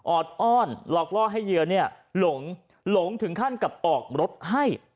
อดอ้อนหลอกล่อให้เหยื่อเนี่ยหลงถึงขั้นกับออกรถให้